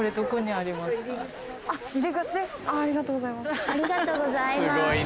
ありがとうございます。